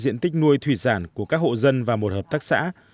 diện tích nuôi thủy sản của các hộ dân và một hợp tác xã